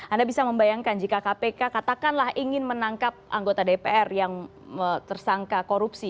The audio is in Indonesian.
anda bisa membayangkan jika kpk katakanlah ingin menangkap anggota dpr yang tersangka korupsi